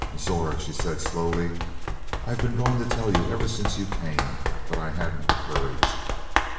"Zora," she said slowly, "I've been going to tell you ever since you came, but I hadn't the courage.